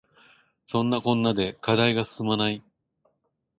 そんなこんなで課題が進まない